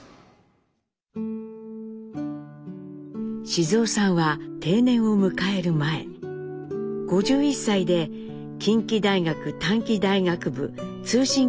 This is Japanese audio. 静雄さんは定年を迎える前５１歳で近畿大学短期大学部通信教育部に入学していました。